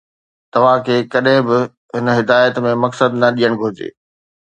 توهان کي ڪڏهن به هن هدايت ۾ مقصد نه ڏيڻ گهرجي